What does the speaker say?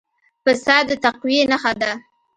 پسه د تقوی نښه ده.